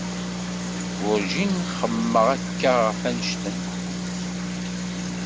Werǧin xemmemeɣ akka ɣef annect-en.